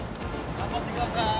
頑張ってください！